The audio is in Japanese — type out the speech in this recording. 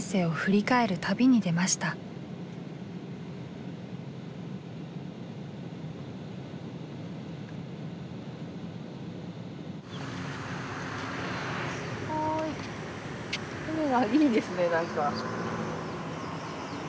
海がいいですね何か。